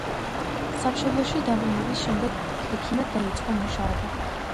სამშობლოში დაბრუნების შემდეგ, ექიმად დაიწყო მუშაობა.